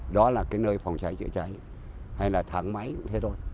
đó là cái nơi phòng cháy chữa cháy hay là tháng máy thế thôi